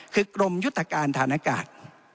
คือกรมยุติการฐานกาศ